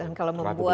dan kalau membuat